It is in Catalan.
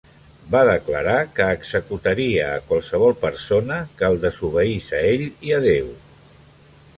Va declarar que executaria a qualsevol persona que el desobeís a ell i a Déu.